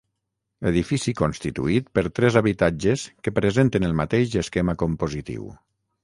Edifici constituït per tres habitatges que presenten el mateix esquema compositiu.